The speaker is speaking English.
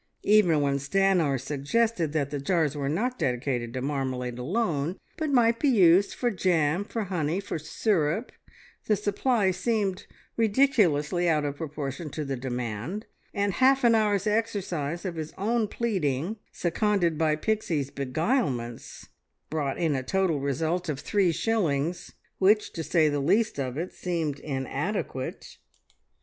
Even when Stanor suggested that the jars were not dedicated to marmalade alone, but might be used for jam, for honey, for syrup, the supply seemed ridiculously out of proportion to the demand, and half an hour's exercise of his own pleading, seconded by Pixie's beguilements, brought in a total result of three shillings, which, to say the least of it, seemed inadequate.